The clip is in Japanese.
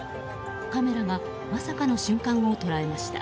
カメラがまさかの瞬間を捉えました。